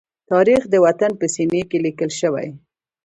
تاریخ د وطن په سینې کې لیکل شوی.